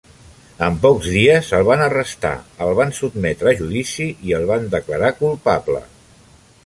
En pocs dies el van arrestar, el van sotmetre a judici i el van declarar culpable.